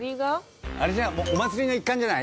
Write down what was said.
あれじゃないお祭りの一環じゃない？